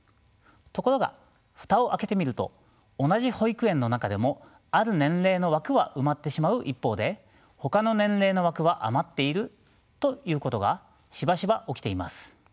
ところが蓋を開けてみると同じ保育園の中でもある年齢の枠は埋まってしまう一方でほかの年齢の枠は余っているということがしばしば起きています。